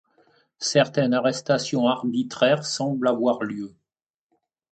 Certaines arrestations arbitraires semblent avoir lieu.